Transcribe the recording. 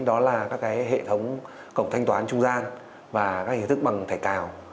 đó là các hệ thống cổng thanh toán trung gian và các hình thức bằng thẻ cào